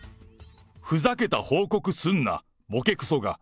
ふざけた報告すんな、ぼけくそが！